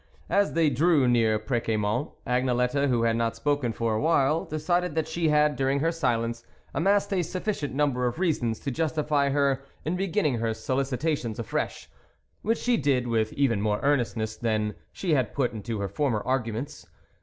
As they drew near Pr6ciamont, Agne lette, who had not spoken for a while, decided that she had, during her silence, amassed a sufficient number of reasons to justify her in beginning her solicitations afresh, which she did with even more earnestness than she had put into her former arguments.